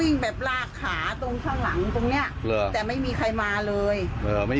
สิ้นหน้าค้าเงินฮ่องไม่เห็นอะไร